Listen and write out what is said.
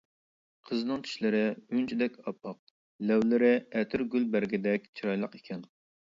قىزنىڭ چىشلىرى ئۈنچىدەك ئاپئاق، لەۋلىرى ئەتىرگۈل بەرگىدەك چىرايلىق ئىكەن.